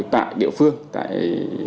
tại địa phương tại